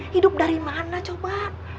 hidup dari mana coba